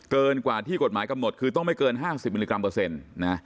เกินกว่าที่กฎหมายกำหนดคือต้องไม่เกิน๕๐มิลลิกรัมเปอร์เซ็นต์นะ